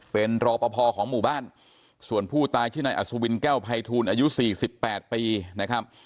เป็นรอปภของหมู่บ้านส่วนผู้ตายชื่อนายอัศวินแก้วภัยทูลอายุ๔๘ปีนะครับ